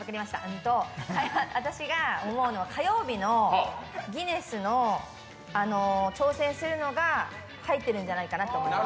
私が思うのは火曜日のギネスの挑戦するのが入ってるんじゃないかなと思います。